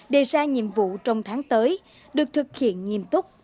đề ra nhiệm vụ trong tháng tới được thực hiện nghiêm túc